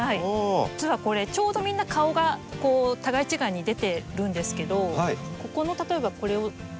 実はこれちょうどみんな顔が互い違いに出てるんですけどここの例えばこれをどかしてみると。